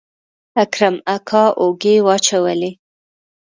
اکرم اکا اوږې واچولې.